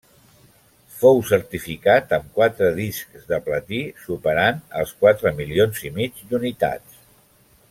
Fou certificat amb quatre discs de platí superant els quatre milions i mig d'unitats.